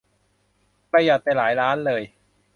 ประหยัดไปหลายล้านเลย